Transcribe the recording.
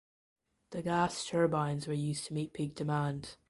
The gas turbines were used to meet peak demand.